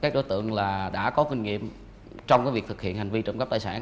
các đối tượng đã có kinh nghiệm trong việc thực hiện hành vi trộm cắp tài sản